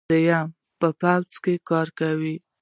دریم په پوځ کې کار کول دي.